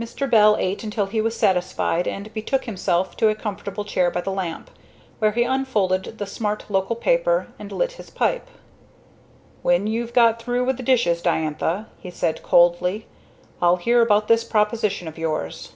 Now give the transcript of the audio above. Mr. Bell ate until he was satisfied and betook himself to a comfortable chair by the lamp, where he unfolded the smart local paper and lit his pipe. "When you've got through with the dishes, Diantha," he said coldly, "I'll hear about this proposition of yours."